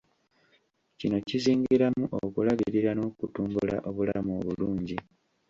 Kino kizingiramu okulabirira n’okutumbula obulamu obulungi.